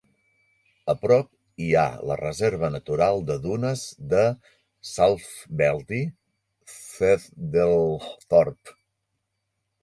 A prop hi ha la Reserva Natural de Dunes de Saltfleetby-Theddlethorpe.